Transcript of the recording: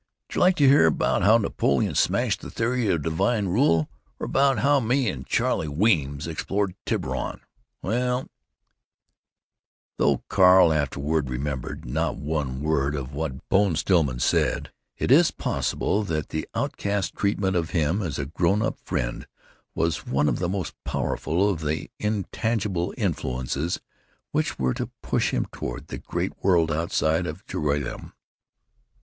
J' like to hear about how Napoleon smashed the theory of divine rule, or about how me and Charlie Weems explored Tiburon? Well——" Though Carl afterward remembered not one word of what Bone Stillman said, it is possible that the outcast's treatment of him as a grown up friend was one of the most powerful of the intangible influences which were to push him toward the great world outside of Joralemon.